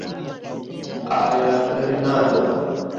Al la lernado!